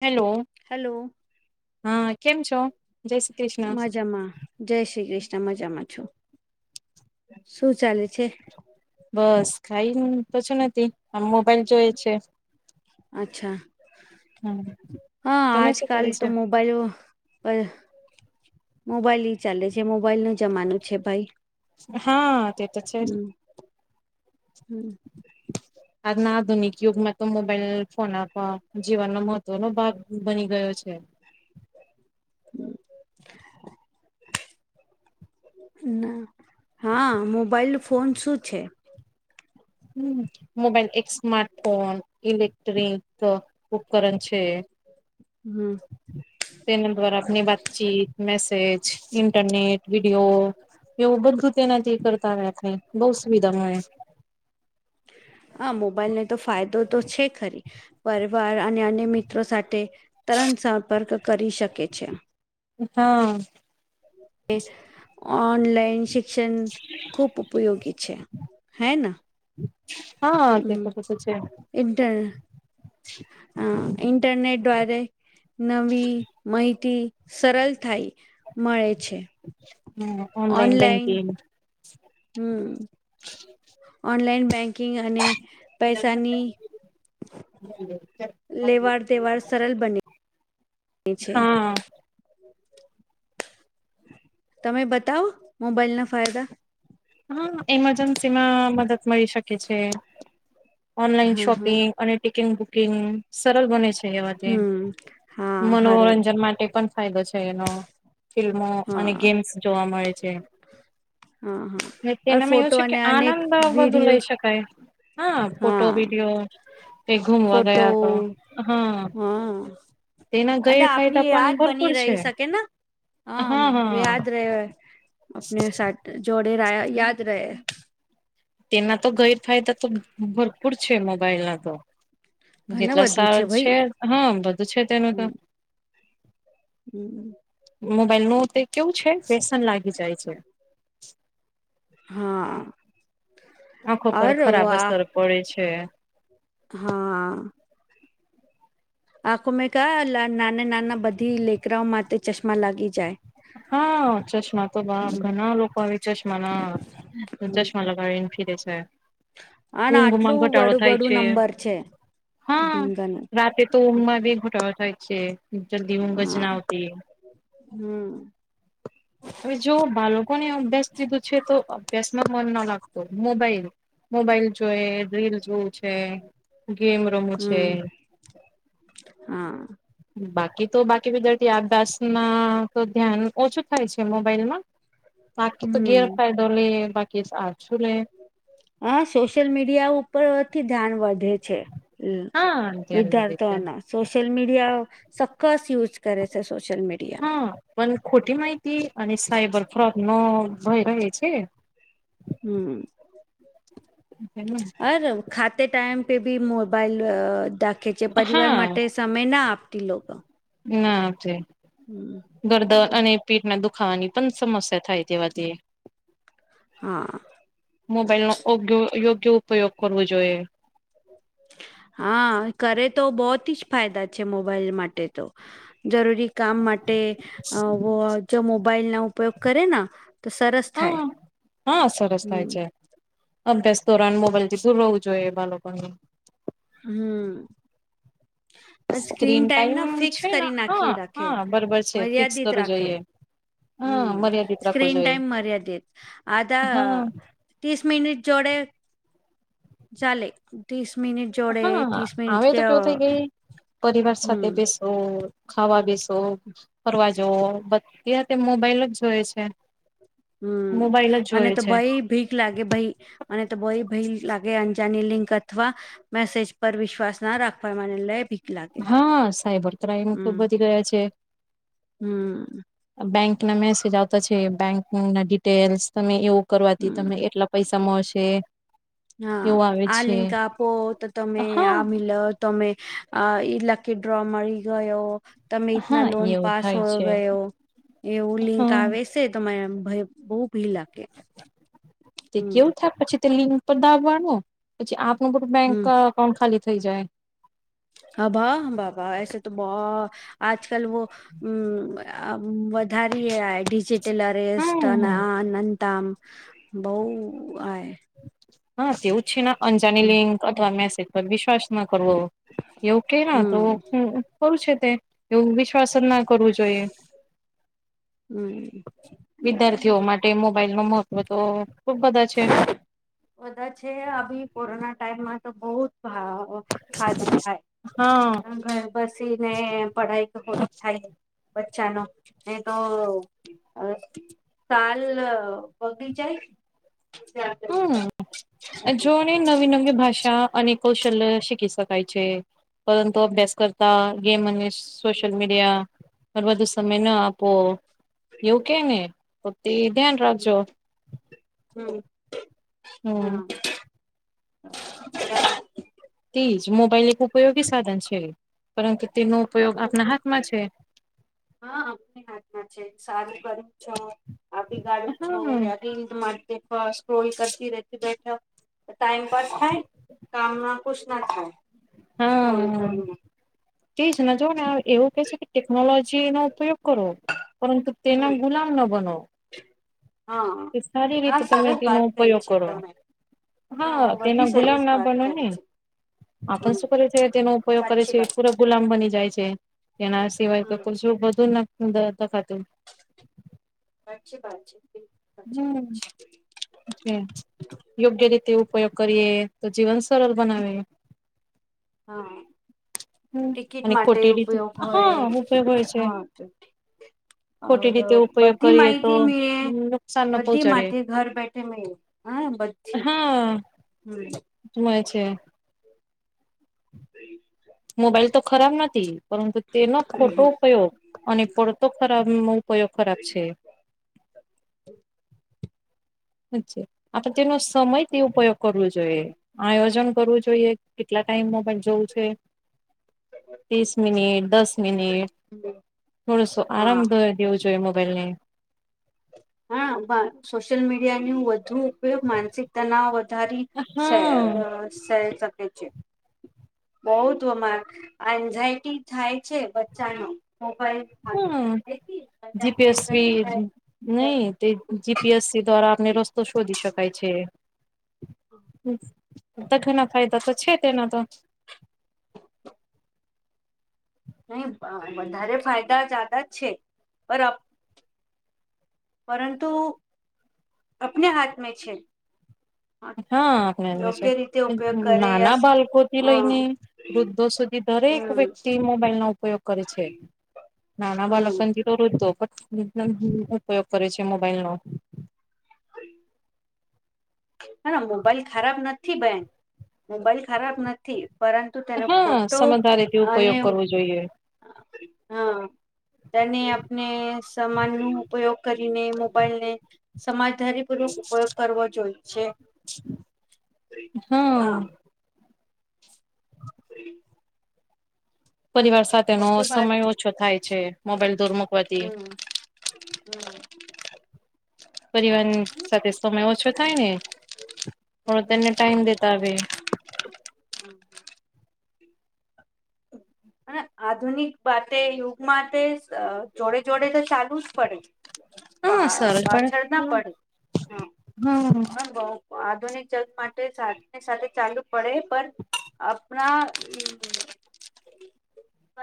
Hello hello હા કેમ છો જય શ્રી કૃષ્ણ જમા જય શ્રી કૃષ્ણ મજામાં છું શું ચાલે છે બસ કઈ પછું નથી આમ મોબાઈલ જોય છે અચ્છા હમ, હા તમે આજ શું કલ કરે તો છે મોબ મોબાઈલ મોબાઈલ ચાલે છે મોબાઈલ ન જમાનું છે ભાઈ હા તે તો છે હમ હમ આજ ના આધુનિક ુગમાં તો મોબાઈલ ફોન જીવનનો મહત્વનોો ભાગ બની ગયો છે [inaudible] ના હા મોબાઈલ ફોન શું છે હમ મોબાઈલ એક સ્મા્ટફોન ઇલેક્ટ્રિક ઉપકરણ છે હમ તેના દ્વારા આપની વાતચીત મેસેજ ઇન્ટરનેટ વિડિઓ ડ એવું બધું તેનાથી કરતા હો આપણે બઉ સુવિધા મળે [inaudible] હા મોબાઈલને તો ફાયદો તો છે ખરી પરિવાર અને અન્ય મિત્રો સાથે તરણ સંપર્ક કરી શકે છે હા ઓનલાઈન શિક્ષણ ખૂબ ઉપયોગી છે હે ના હા તે તો બધું છે ઇન્ટર હ ઇન્ટરનેટ દ્વારે નવી માહિતી સરળ થાય મળે છે હમ ઓનલાઈન બેંકિંગ હમ ઓનલાઈન બેંકિંગ અને પૈસાની લેવાડ દવાડ સરળ બને છે હા [inaudible] તમે બતાવો મોબાઈલ ના ફાયદા હા ઇમરજન્સી માં મદદ મળી શકે છે ઓનલાઈન હા હા શોપિંગ અને ટિકિટ બુકિંગ સરળ બને છે એવા હમ હા હારું મનોરંજન માટે પણ ફાયદો છે એનો ફિલ્મો અને હા ગેમ્સ જોવા મળે છે હા હા ઓર તેનામાં એવું ફોટો છે કે અને અનેક આનંદ બધું વિડિયો લઈ શકાય હા ફોટો વિડીિયો એ ઘુમવા ફોટો ગયા તો હા તેના અને આપની ગેરફાયદા યાદ પણ બની ભરપૂર રહી છે શકે ને હા યાદ રહે આપને સાથે જોડે રહ્યા યાદ રહે તેના તો ગેરફાયદા તો ભરપૂર છે મોબાઈલ ના તો ઘણું જેટલા બધું સાર છે ભાઈ હા બધું છે તેનું તો હમ હમ મોબાઈલ નું તે કેવું છે વ્યસન લાગી જાય છે હા આંખો પર અરે ખરાબ વાહ અસર પડે છે હા આખો મેં કા નાના નાના બધી લેકરાઓ માટે ચશ્મા લાગી જાય હા ચશ્મા તો હમ ઘણા લોકો આવે ચશ્મા ના ચશ્મા લગાાવને ફિરે છે અને ઊંઘ માં આટલું ઘટાડો બડું થાય બડું છે નંબર છે હા ભીંગાનું રાતે તો ઊંઘ બી ઘોટાડો થાય છે જલ્દી ઊંઘ જ હા ના આવતી હમ હવે જો બાળકોને અભ્યાસ કીધું છે તો અભ્યાસમાં મન ના લાગતું મોબાઈલ મોબાઈલ જોઈ રીલ જોય છે ગેમ રમુ છે હમ હા બાકી તો બાકી વિદ્યાર્થી અભ્યાસમાં તો ધ્યાન ઓછું થાય છે મોબાઈલમાં બાકી તો હમ ગેરફાયડો લ બાકી આ છું લે હ સોશિયલ મીડિયા ઉપરથી ધ્યાન વધે છે હા ધ્યાન વધે છે વિદધ્યાર્થથીઓના સોશિયલ મીડિયા સક્કસ યુઝ કરે છે સોશિયલ મીડિયા હા પણ ખોટી માહિતી અને સાયબર ફ્રોક નો ભય રહે છે હમ હ અરે ખાતે ટાઈમ પે બી મોબાઈલ દાખે છે પરિવાર હા માટે સમય ના આપતી લોકો ના છે હમ, ગરદર હમ, અને પેટ ના દુખાવાની પણ સમસ્યા થાય તેવાથી હા મોબાઈલ નોગ યોગ્ય ઉપયોગ કરવો જોઈએ હા કરે તો બહત જ ફાયદા છે મોબાઈલ માટે તો જરૂરી કામ માટે જો મોબાઈલ ના ઉપયોગ કરે ને હા હા સરસ થાય હમ છે અભ્યાસ ધોરણ મોબાઈલ થી શું રહેવું જોઈએ એ બા લોકોને હમ સ્ક્રીન ટાઈમ ના ફિક્સ છે ને કરી હા નાખી રાખે હા બરોબર છે ફિક્સ મર્યાદિત કરવું રાખે જોઈએ હા હમ મર્યાદિત રાખવું સ્ક્રીન જોઈએ ટાઈમ મર્યાદિત આ હા તીસ મિનિટ જોડે ચલે તીસ મનિટ હા હ તો કેવો થઈ ગઈ પરિવાર સાથે હમ બેસ્ટ ઓ ખાવા બસો ફરવા જવો બધી તે મોબાઈલ જ જોવે છે મોબાઈલ જ હમ અને જોય તો છે ભાઈ ભી લાગે ભાઈ મને તો બો ભાઈ લાગે અંજાની લિંક અથવા મેસેજ પર વિશ્વાસ ના રાખવા માટે લય ભી હા સાયબર ક્રાઈઇમ તો વધી ગયા છે હમ બેંક ના મેસેજ આવતા છે બેંક ના ડિટેલ્સ તમે એવું કરવાથી તને હમ એટલા પૈસામાંશે હા આ લિંકા પો તો તમે હા આ મિલ તમે આ લા કે ડ્રો મળી ગયો તમે હા તના લોન એવું પાસ થાય હોયો છે ગયો એવું લિંક હા આવે તમારે ભય બહુ ભી લાગે તે હમ કેવું થાય પછી તે લિંક પર દબવાનું પછી આપનું બું બેંક હમ અકાઉન્ટ ખાલી થઈ જાય હા ભા ભબા એસ તો બહ આજ કલ વ ધારી િજીિટલ રસ્ટન હમ અન તમ બહ આ હા તેવું છે અંજાની હમ લિંક અથવા મેસેજ પર વિશ્વાસ ના કરવો એવું કે ના તો હમ કરું છે તે એવું વિશ્વાસ જ ના કરવું જોઈએ હમ વિદ્યાર્થીઓ બરાબર માટે મોબાઈલ નો મહત્વ તો ખુબ બધા છે બધા છે આવી કોરોના ટાઈમમાં તો બહ ખધું હા થાય ઘર બસી ને પઢાઈ તો થાય બચ્ચા નો ન તો અ સાાલ બગી છે હમ જોને નવી નવી ભાષા અને કૌશલ્ય શી શ છે પરંતુ અભ્યાસ કરતા ગેમ સોશિયલ મીડિયા બધો સમય ના આપો એવું કે ને તો તે ધ્યાન રાખજો હમ હમ હા તેજ મોબાઈલ એક ઉપયોગી સાધન છે પરંતુ તેનું ઉપયોગ આપના હાથમાં છે. હા અમને હાથમાં છે સારું કરું છ. આપી ગાડું હા છો માટે ફ રોલ કરતી રતી બેઠા ટાઈમ પાસ થાય કામ ના ખુશ ના થાય. હા [unintelligible] તેજ જો ને એવું કે છે કે ટેકનોલોજી નો ઉપયોગ કરો પરંતુ તેના હમ્મ ગુલામ ન બનોવ હા એ સારી હા રીતે તમે સરસ તેનો વાત કહી ઉપયોગ છે કરો. તમે હા બધી તેના ગુલામ સરસ ના વાત બનો કરી ને છે આપ હમ્મ શું કરે છે તેનો ઉપયોગ કરે સાચી છે વાત પુરા ગુલામ બની જાય છે એના સિવાય તો હમ્મ પછું બધુંખાતું સાછી વાત છે. સાચી હમ્મ. યોગ્ય રીતે ઉપયોગ કરીએ તો જીવન સરળ બનાવે. વાત. હા. હમ ટિકિટ અને માટે ખોટી રીતે ઉપયોગ હોય હા ઉપયોગ હોય છે હા તો ખોટી રીતે ઉપયોગ બધી કરીએ તો માહિતી મળળે નુકસાન ન બધી પહોંચાડે માિતી ઘર બેઠે મળે. હા હમ્મ જોય છે. મોબાઈલ તો ખરાબ નથી પરંતુ તેનો ખોટો ઉપયોગ અને પડતો ખરાબ ઉપયોગ ખરાબ છે. હ. છ આપ તેનો સમય તે ઉપયોગ કરવો જોઈએ આયોજન કરવું જોઈએ. જોઈએ કેટલા ટાઈમમાં પણ જવું છે. ત્રીસ મિનિટ દસ મિનિટ થોડોસો આરામ હા થ દેવું જોઈએ મોબાઈલ ને હા સોશિયલ મીડિયા ન વધુ ઉપયોગ માનસિક તનાવ ધારી સ હા સ જગ છે. બહ જ અમારે એન્ઝાયટી થાય છે બચ્ચાનો મોબાઈલ હમ્મ જી. પી. એસ. સી નહી તે જી. પી. એસ. સી દ્વારા આપને રસ્તો શોધી શકાય છે. ઘના ફાયદા તો છે તેના તો. નહી વધારે ફાયદા જદા જ છે પણ પરંતુ આપને હાથ મે છે. હા આપણે એ છે યોગ્ય રીતે ઉપયોગ કરે નાના યા બાળકો થી હમ લઈને વૃદ્ધો સુધી દરેક હમ વ્યક્તિ મોબાઈલ નો ઉપયોગ કરે છે. નાના હમ બાળકોથી તો ઉપયોગ કરે છે મોબાઈલ નો. તે હ મોબાઈલ ખરાબ નથી બેન મોબાઈલ ખરાબ નથી પરંતુ તેનો હા ખોટો સમધારી તે અને ઉપયોગ કરવો જોઈએ. અનેને આપણે સમય નો ઉપયોગ કરીને મોબાઈલ ને સમાજધારી ઉપયોગ કરવો જોઈ છે. હા. હ. પરિવાર સાથેનો સાચો વાત સમય ઓછો થાય છે મોબાઈલ દોર મુકવાથી. હમ્મ. પરિવાર સાથે સમય ઓછો થાય ને હડો હમ તને ટાઈમ દેતા આવે હમ્મ. અને આધુનિક બાતે યુગમાં તે જોડે જોડે તો ચાલુ જ પડે. હા પા સરસ પાછળ ના પણ પડે હ હા પણ બઉ. આધુનિક જગત માટે સાથે સાથે ચાલુ પડે પણ આપણા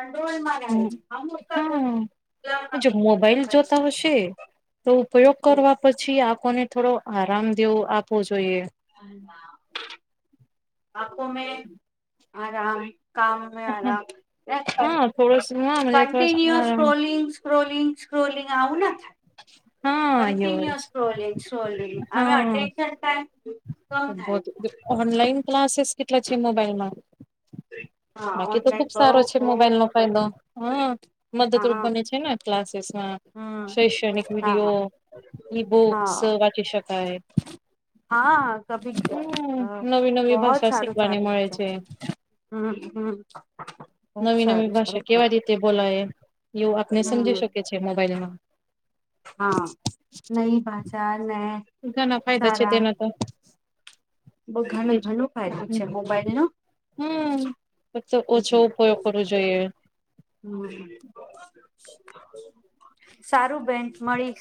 કંોલ [unintelligible] મા હમ હા જો મોબાઈલ જોતા હશે તો ઉપયોગ કરવા પછી આપોને થોડો આરામ દેવો આપવો જોઈએ આપકો મેં આરામ. કામ મેલા થો કંન્ટિન્યુઅસ ક્રોલિંગ સ્ક્રોલિંગ સ્ક્રોલિંગ આવું ના હા એવ કન્ટિન્યુ જ સોલિ સોલિંગ અમે અટેન્શન ટાઈમ કમ બ થાય ઓનલાઈન ક્લાસીસ કેટલા છે મોબાઈલ માં જ બાકી તો ખુબ સારો છે મોબાઈલ નો ફાયદો વધે હ મદદરૂપ હા બને છે ને ક્લાસસ હ હમ શૈક્ષણિક હા વિડીિયો ઈ બુક્સ વાંચી શકાય હા હા કભી જ હમ હ નવી નવી બહત ભાષા સારું શીખવાની સારું મળે છે હમ હમ બહુ નવી નવી સારું સારું ભાષા કેવા પણ રીતે બોલાય એવું આપને સમજી હમ શકે છે મોબાઈલમાં હા નઈ ભાચા ન ઘણા ફાયદા છે તેના તો બધાને એજ ઘણું ફાયદું છે મોબાઈલ ન. હમ ફક્ત ઓછો ઉપયોગ કરવો જોઈએ હમ સારું બેન મળી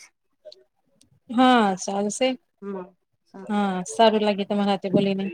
હા સારુંશે હમ સારું. હા સારું લાગે તમારા હથે બોલીને